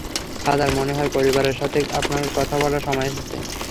Father, মনে হয় পরিবারটার সাথে আপনার কথা বলার সময় এসেছে।